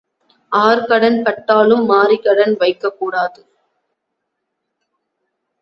R கடன் பட்டாலும் மாரி கடன் வைக்கக் கூடாது.